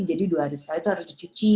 jadi dua hari sekali itu harus dicuci